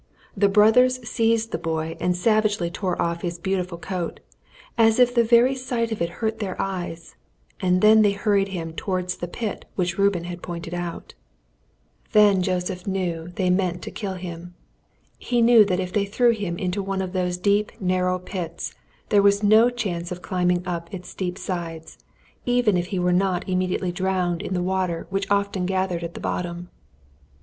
The brothers seized the boy and savagely tore off his beautiful coat, as if the very sight of it hurt their eyes, and then they hurried him towards the pit which Reuben had pointed out. Then Joseph knew that they meant to kill him. He knew that if they threw him into one of those deep narrow pits there was no chance of climbing up its steep sides, even if he were not immediately drowned in the water which often gathered at the bottom.